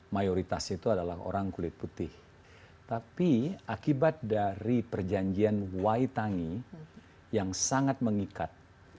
mayoritas itu adalah orang kulit putih tapi akibat dari perjanjian waitangi yang sangat mengikat